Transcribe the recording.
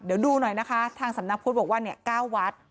เดี๋ยวดูหน่อยนะคะทางสำนักพุทธบอกว่าเนี่ย๙วัด